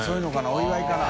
お祝いかな？